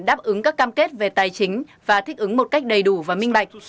đáp ứng các cam kết về tài chính và thích ứng một cách đầy đủ và minh bạch